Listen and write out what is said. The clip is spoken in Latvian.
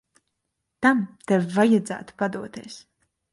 Tam tev vajadzētu padoties.